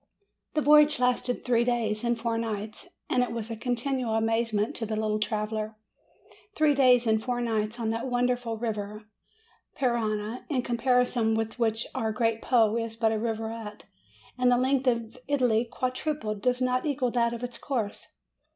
The voyage lasted three days and four nights, and it was a continual amazement to the little traveller. Three days and four nights on that wonderful river Parana, in comparison with which our great Po is but a rivulet; and the length of Italy quadrupled does not equal that of its course.